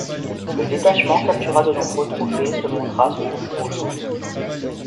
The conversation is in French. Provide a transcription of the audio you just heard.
Le détachement captura de nombreux trophées et se montra sous le plus beau jour.